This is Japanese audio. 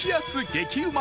激うま！